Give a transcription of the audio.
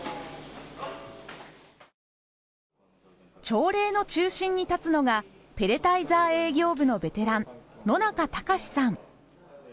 「１２３４５６」朝礼の中心に立つのがペレタイザー営業部のベテラン野中隆さん。